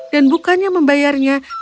dan bukannya membayarnya